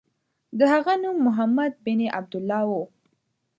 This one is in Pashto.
د هغه نوم محمد بن عبدالله و.